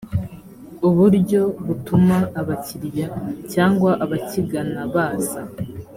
uburyo butuma abakiriya cyangwa abakigana baza